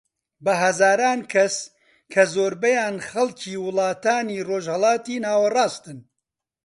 بە هەزاران کەس کە زۆربەیان خەڵکی وڵاتانی ڕۆژهەلاتی ناوەڕاستن